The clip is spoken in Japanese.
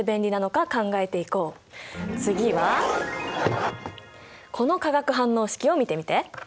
次はこの化学反応式を見てみて！